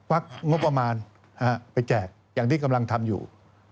วักงบประมาณไปแจกอย่างที่กำลังทำอยู่